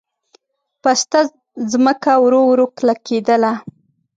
پسته ځمکه ورو ورو کلکېدله.